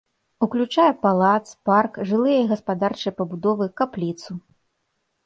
Уключае палац, парк, жылыя і гаспадарчыя пабудовы, капліцу.